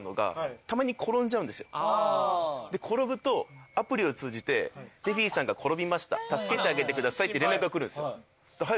で転ぶとアプリを通じてデフィーさんが転びました助けてあげてくださいって連絡が来るんですよ。